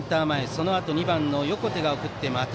そのあと２番の横手が打ちました。